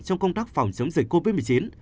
trong công tác phòng chống dịch covid một mươi chín